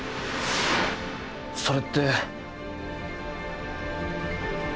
それって。